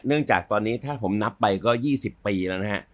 เนื่องจากตอนนี้ถ้าผมนับไปก็๒๐ปีแล้ว